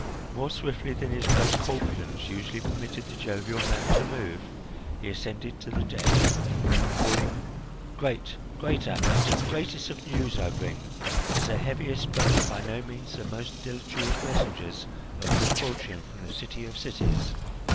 More swiftly than his great corpulence usually permitted the jovial man to move, he ascended to the deck, calling: "Great, greater, the greatest of news I bring, as the heaviest but by no means the most dilatory of messengers of good fortune from the city of cities.